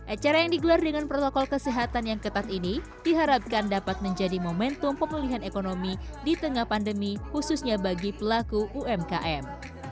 acara yang digelar dengan protokol kesehatan yang ketat ini diharapkan dapat menjadi momentum pemulihan ekonomi di tengah pandemi khususnya bagi pelaku umkm